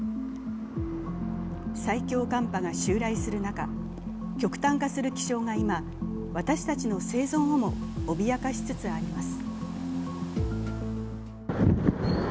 最強寒波が襲来する中、極端化する気象が今、私たちの生存をも脅かしつつあります。